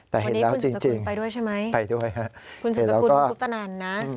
แต่เห็นแล้วจริงไปด้วยฮะคุณสุสคุณพบตนั่นนะคุณสุสคุณไปด้วยใช่ไหม